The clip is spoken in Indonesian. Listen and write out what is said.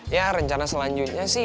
ya rencana selanjutnya sih